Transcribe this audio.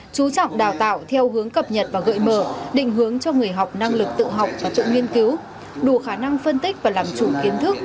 chú trọng đào tạo theo hướng cập nhật và gợi mở định hướng cho người học năng lực tự học và tự nghiên cứu đủ khả năng phân tích và làm chủ kiến thức